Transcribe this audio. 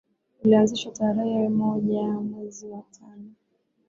ulianzishwa tarerhe moja mwezi wa tano